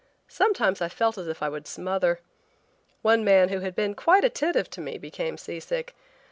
Sometimes I felt as if I would smother. One man who had been quite attentive to me became seasick.